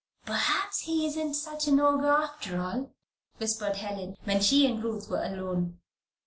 "Perhaps he isn't such an ogre after all," whispered Helen, when she and Ruth were alone.